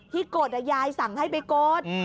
ที่กฎยายสั่งให้ไปกฎ